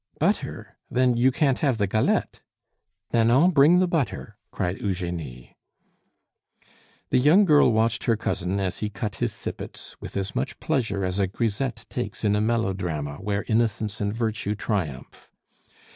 "Butter! then you can't have the galette." "Nanon, bring the butter," cried Eugenie. The young girl watched her cousin as he cut his sippets, with as much pleasure as a grisette takes in a melodrama where innocence and virtue triumph.